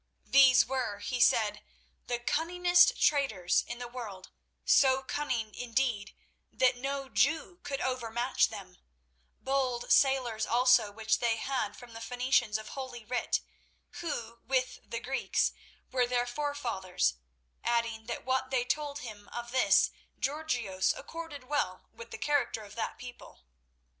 These were, he said, the cunningest traders in the world—so cunning, indeed, that no Jew could overmatch them; bold sailors, also, which they had from the Phoenicians of Holy Writ, who, with the Greeks, were their forefathers, adding that what they told him of this Georgios accorded well with the character of that people.